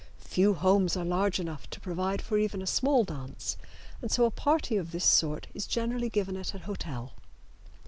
Few homes are large enough to provide for even a small dance, and so a party of this sort is generally given at a hotel.